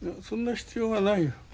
そんな必要はないよ。